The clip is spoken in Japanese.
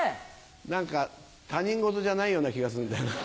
何か他人ごとじゃないような気がするんだよな。